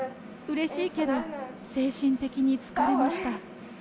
うれしいけど、精神的に疲れました。